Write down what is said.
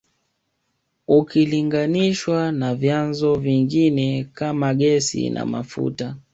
Ukilinganishwa na vyanzo vingine kama gesi na mafuta